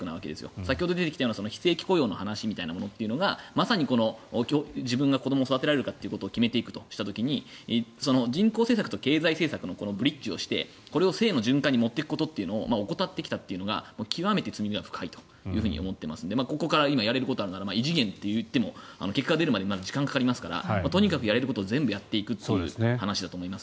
先ほど出てきた非正規雇用みたいな話がまさに自分が子どもを育てられるかということを決めていくとした時に人口政策と経済政策のブリッジをしてこれを正の循環に持っていくことを怠ってきたということが極めて罪が深いと思っていますのでここからやれることは異次元といっても結果が出るまでまだ時間がかかりますからとにかくやれることを全部やっていくという話だと思います。